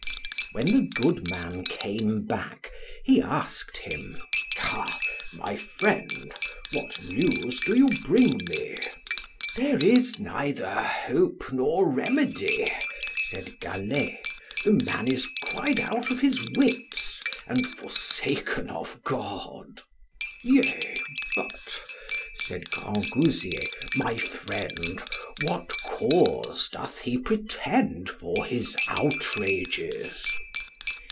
When the good man came back, he asked him, Ha, my friend, what news do you bring me? There is neither hope nor remedy, said Gallet; the man is quite out of his wits, and forsaken of God. Yea, but, said Grangousier, my friend, what cause doth he pretend for his outrages?